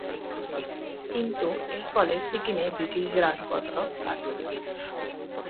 কিন্তু এর ফলে সিকিমে ব্রিটিশদের আধিপত্য বাড়তে থাকে।